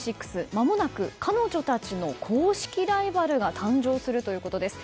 まもなく彼女たちの公式ライバルが誕生するということです。